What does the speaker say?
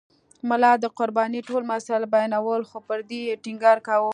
ملا د قربانۍ ټول مسایل بیانول خو پر دې یې ټینګار کاوه.